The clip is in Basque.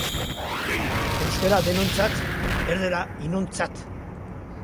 Euskara denontzat erdera inontzat